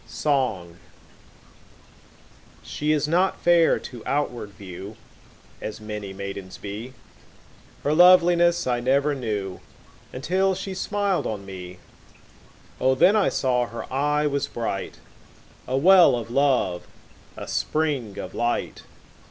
Song SHE is not fair to outward view As many maidens be, Her loveliness I never knew Until she smiled on me; O, then I saw her eye was bright, 5 A well of love, a spring of light!